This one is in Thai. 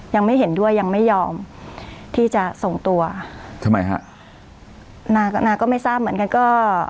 ยังไม่เห็นด้วยยังไม่ยอมที่จะส่งตัวทำไมฮะนาก็นาก็ไม่ทราบเหมือนกันก็